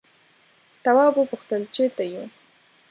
تواب وپوښتل چیرته یو.